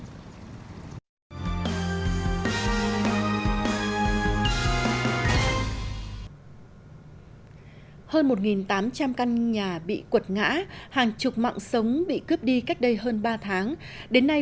hơn một tám trăm linh căn nhà bị quật ngã hàng chục mạng sống bị cướp đi cách đây hơn ba tháng đến nay